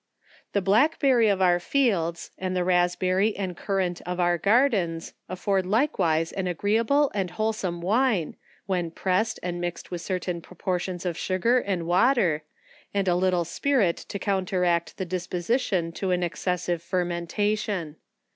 The blackberry of our fields, and the raspberry, and currant of our gar dens, afford likewise an agreeable and wholesome wine ARDENT SPIRITS. ±o when pressed, and mixed with certain proportions of su gar and water, and a little spirit, to counteract their dis position to an excessive fermentation.